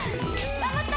頑張った！